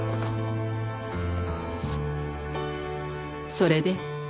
それで？